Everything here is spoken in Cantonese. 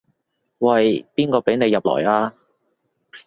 喂，邊個畀你入來啊？